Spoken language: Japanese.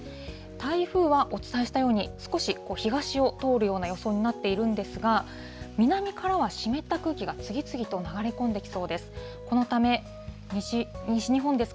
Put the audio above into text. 台風はお伝えしたように、少し東を通るような予想になってるんですが、南からは湿った空気が次々と流れ込んできそうです。